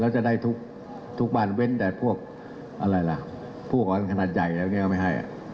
แล้วจะได้ทุกบ้านเว้นแต่พวกขนาดใหญ่แล้วไม่ให้